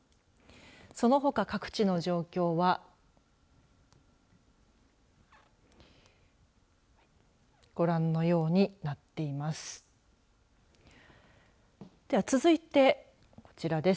そのほか各地の状況はご覧のようになっています。